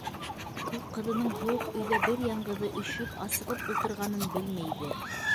Ул ҡыҙының һыуыҡ өйҙә бер яңғыҙы өшөп, асығып ултырғанын белмәйҙер.